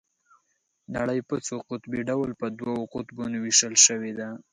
نړۍ په څو قطبي ډول په دوو قطبونو ويشل شوې ده.